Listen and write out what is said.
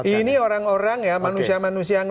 ini orang orang ya manusia manusia yang